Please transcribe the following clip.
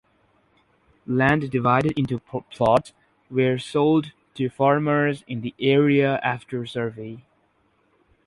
Land divided into plots were sold to farmers in the area after survey.